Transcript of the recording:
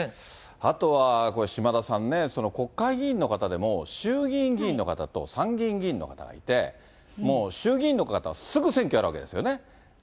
あとは、島田さんね、国会議員の方でも衆議院議員の方と参議院議員の方がいて、もう衆議院の方はすぐ選挙やるわけですよね。